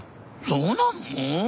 そうなの？